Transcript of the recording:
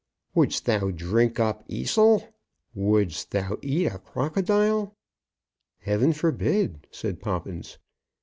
"Would'st thou drink up Esil? Would'st thou eat a crocodile?" "Heaven forbid," said Poppins.